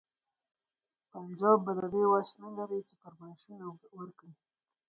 پنجاب به د دې وس نه لري چې فرمایشونه ورکړي.